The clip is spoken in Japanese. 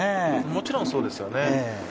もちろんそうですよね。